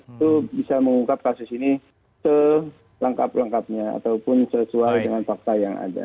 itu bisa mengungkap kasus ini selengkap lengkapnya ataupun sesuai dengan fakta yang ada